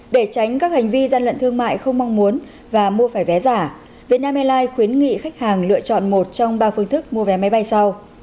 để tránh các hành vi gian lận thương mại không mong muốn và mua phải vé giả vietnam airlines khuyến nghị khách hàng lựa chọn một trong ba phương thức mua vé máy bay sau